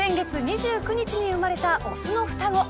先月２９日に生まれたオスの双子